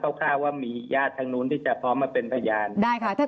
เพราะว่ามีญาติทางโน้นที่จะพร้อมมาเป็นพยาน